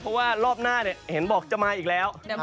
เพราะว่ารอบหน้าเห็นบอกจะมาอีกแล้ว